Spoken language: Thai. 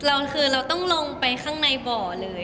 เราคือเราต้องลงไปข้างในบ่อเลย